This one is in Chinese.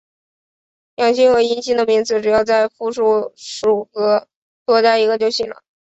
阳性和阴性的名词只要在复数属格多加一个就行了。